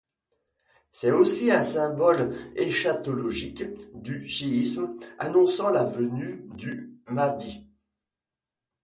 C'est aussi un symbole eschatologique du chiisme annonçant la venue du Mahdi.